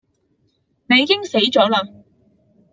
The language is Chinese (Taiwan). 你已經死了